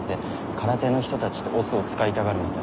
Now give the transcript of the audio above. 空手の人たちって「押忍」を使いたがるみたい。